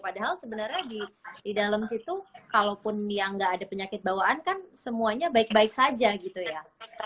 padahal sebenarnya di dalam situ kalaupun yang nggak ada penyakit bawaan kan semuanya baik baik saja gitu ya